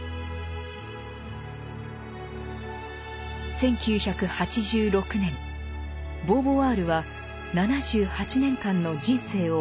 １９８６年ボーヴォワールは７８年間の人生を全うします。